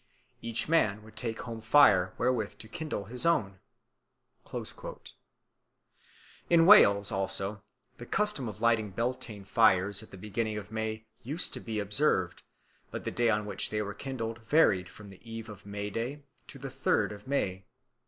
Each man would take home fire wherewith to kindle his own." In Wales also the custom of lighting Beltane fires at the beginning of May used to be observed, but the day on which they were kindled varied from the eve of May Day to the third of May.